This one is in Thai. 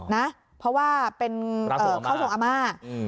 นะเพราะว่าเป็นเอ่อเข้าทรงอาม่าอืม